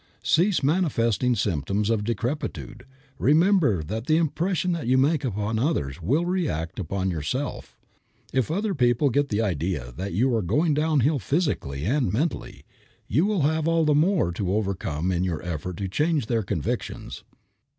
Cease manifesting symptoms of decrepitude. Remember that the impression you make upon others will react on yourself. If other people get the idea that you are going down hill physically and mentally, you will have all the more to overcome in your effort to change their convictions.